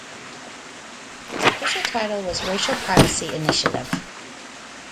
Its official title was Racial Privacy Initiative.